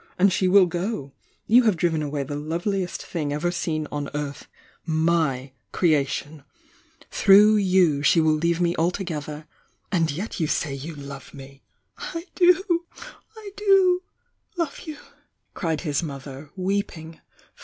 — and ^e will go! You have driven away the loveliest thing ever seen f^f m m 818 THE YOUNG DIAXA on earth! my creation! Through you she will leave me altogether — and yet you say you love me!" "I do! I do love you!" cried his mother, weep ing.